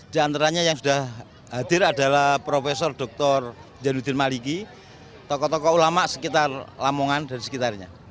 di antaranya yang sudah hadir adalah prof dr januddin maliki tokoh tokoh ulama sekitar lamongan dan sekitarnya